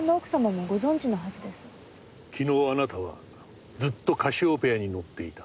昨日あなたはずっとカシオペアに乗っていた。